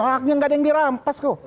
hak haknya nggak ada yang dirampas kok